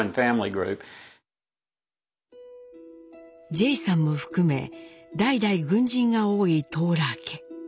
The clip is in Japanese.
ジェイさんも含め代々軍人が多いトーラー家。